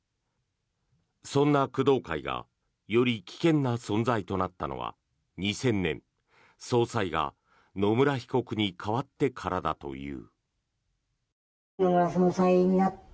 そんな工藤会がより危険な存在となったのは２０００年、総裁が野村被告に代わってからだという。